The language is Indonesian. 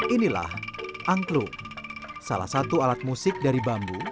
inilah angklung salah satu alat musik dari bambu